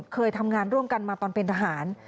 เคยทำงานร่วมกันมาตอนเป็นทหาร